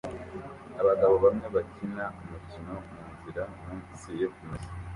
Abagabo bamwe bakina umukino munzira munsi yo kumesa